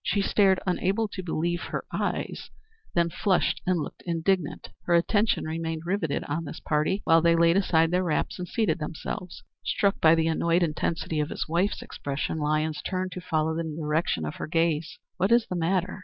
She stared unable to believe her eyes, then flushed and looked indignant. Her attention remained rivetted on this party while they laid aside their wraps and seated themselves. Struck by the annoyed intensity of his wife's expression, Lyons turned to follow the direction of her gaze. "What is the matter?"